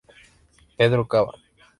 Pedro Caba.